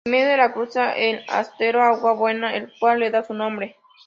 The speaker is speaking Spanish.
En medio la cruza el estero Agua Buena, el cual le da su nombre.